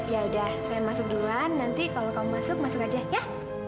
ya udah saya masuk duluan nanti kalau kamu masuk masuk aja ya